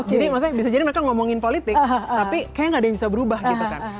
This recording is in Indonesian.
jadi maksudnya bisa jadi mereka ngomongin politik tapi kayaknya gak ada yang bisa berubah gitu kan